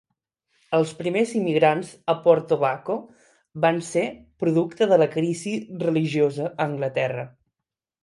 Els primers immigrants a Port Tobacco van ser producte de la crisi religiosa a Anglaterra.